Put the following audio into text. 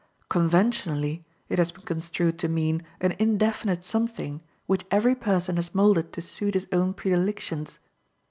Conventionally, it has been construed to mean an indefinite something which every person has moulded to suit his own predilections.